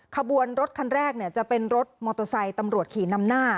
ขบวนรถคันแรกจะเป็นรถมอเตอร์ไซค์ตำรวจขี่นำหน้า